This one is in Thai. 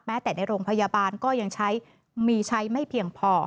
แต่ในโรงพยาบาลก็ยังใช้มีใช้ไม่เพียงพอ